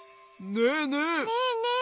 ねえねえ。